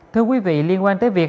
thưa quý vị liên quan tới việc